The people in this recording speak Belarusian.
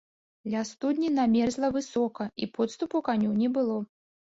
Ля студні намерзла высока, і подступу каню не было.